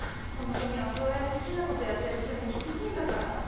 この国はそうやって好きなことやってる人に厳しいんだから。